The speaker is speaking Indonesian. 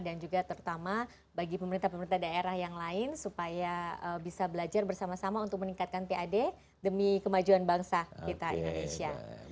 dan juga terutama bagi pemerintah pemerintah daerah yang lain supaya bisa belajar bersama sama untuk meningkatkan pad demi kemajuan bangsa kita indonesia